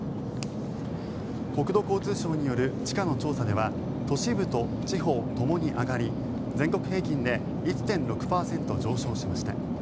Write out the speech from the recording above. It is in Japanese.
国土交通省による地価の調査では都市部と地方、ともに上がり全国平均で１．６％上昇しました。